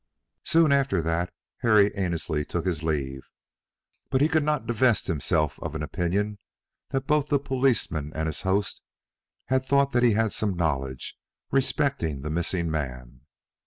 Soon after that Harry Annesley took his leave, but he could not divest himself of an opinion that both the policeman and his host had thought that he had some knowledge respecting the missing man.